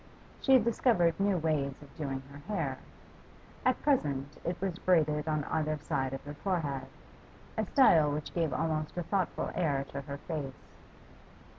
She had discovered new ways of doing her hair; at present it was braided on either side of the forehead a style which gave almost a thoughtful air to her face.